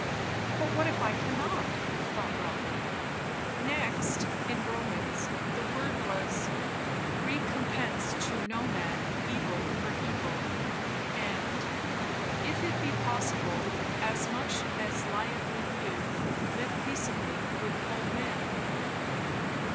But what if I cannot? thought Rotha. Next, in Romans, the word was "Recompense to no man evil for evil"; and, "If it be possible, as much as lieth in you, live peaceably with all men."